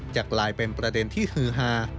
จะกลายเป็นประเด็นที่ฮือฮา